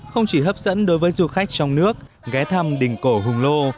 không chỉ hấp dẫn đối với du khách trong nước ghé thăm đình cổ hùng lô